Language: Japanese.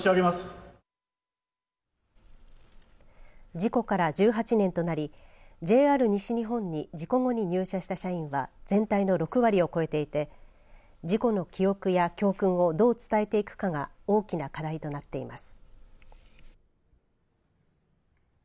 事故から１８年となりＪＲ西日本に事故後に入社した社員は全体の６割を超えていて事故の記憶や教訓をどう伝えていくかが大きな課題となっています。